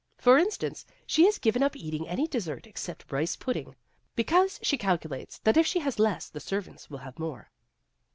For in stance, she has given up eating any des sert except rice pudding, because she calculates that if she has less the servants will have more."